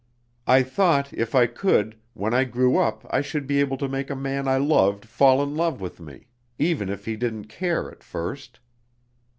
I thought, if I could, when I grew up I should be able to make a man I loved fall in love with me, even if he didn't care at first.